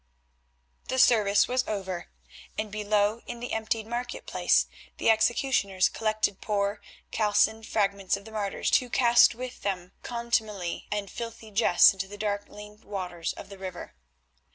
The service was over, and below in the emptied market place the executioners collected the poor calcined fragments of the martyrs to cast them with contumely and filthy jests into the darkling waters of the river.